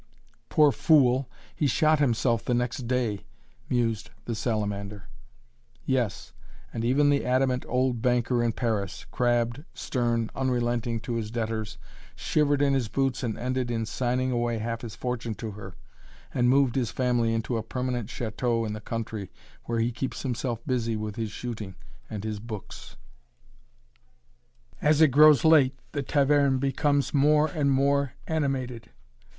"Poor fool! he shot himself the next day," mused the salamander. Yes, and even the adamant old banker in Paris, crabbed, stern, unrelenting to his debtors shivered in his boots and ended in signing away half his fortune to her, and moved his family into a permanent chateau in the country, where he keeps himself busy with his shooting and his books. As it grows late, the taverne becomes more and more animated.